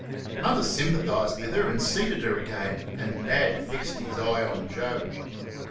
Mother sympathised with her and seated her again, and Dad fixed his eye on Joe.